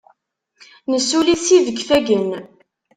Nessuli-t s yifegfagen.